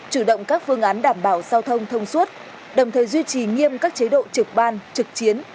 chủ động các phương án đảm bảo giao thông thông suốt đồng thời duy trì nghiêm các chế độ trực ban trực chiến